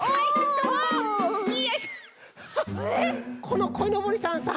このこいのぼりさんさ